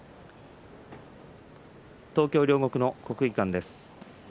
東京・両国の国技館です。